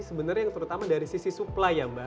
sebenarnya yang terutama dari sisi supply ya mbak